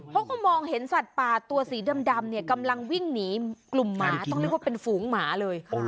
เขาก็มองเห็นสัตว์ป่าตัวสีดำเนี่ยกำลังวิ่งหนีกลุ่มหมาต้องเรียกว่าเป็นฝูงหมาเลย